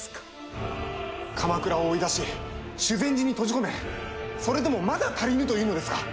鎌倉を追い出し修善寺に閉じ込めそれでもまだ足りぬというのですか。